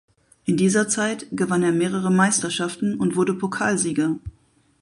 In dieser Zeit gewann er weitere Meisterschaften und wurde Pokalsieger.